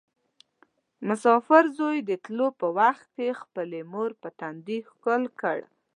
مسافر زوی د تلو په وخت کې خپلې مور په تندي ښکل کړ.